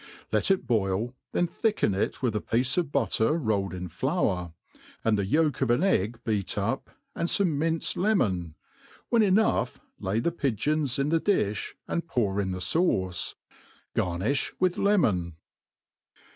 Let it boil, then thicken it with a piece of butter rolled in flourj and the yolk of an egg beat up, and fome minced le mon ; when enough lay the pigeons in the difli, and pour in (he fauce* Garnifli with lemon.